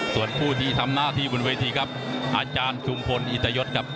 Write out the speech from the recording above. ส่วนผู้ที่ทำหน้าที่บนเวทีครับอาจารย์ชุมพลอิตยศครับ